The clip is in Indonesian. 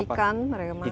ikan mereka makan